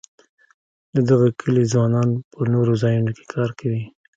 د دغه کلي ځوانان په نورو ځایونو کې کار کوي.